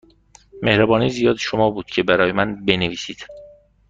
مهربانی زیاد شما بود که برای من بنویسید.